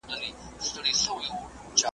د سترګو ډېوې مړې دي